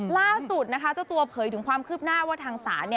ล่าสุดนะคะเจ้าตัวเผยถึงความคืบหน้าว่าทางศาล